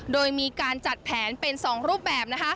โดยมีการจัดแผนเป็น๒รูปแบบ